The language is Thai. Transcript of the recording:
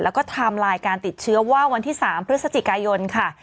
แล้วก็ไทม์ไลน์การติดเชื้อว่าวันที่๓พฤศจิกายนค่ะ